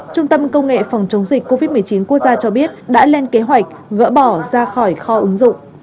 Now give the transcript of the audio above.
trung tâm công nghệ phòng chống dịch covid một mươi chín quốc gia cho biết đã lên kế hoạch gỡ bỏ ra khỏi kho ứng dụng